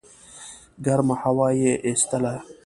ګرمه هوا یې ایستله.